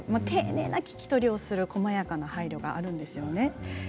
丁寧な聞き取りをする、こまやかな配慮があるんですよね。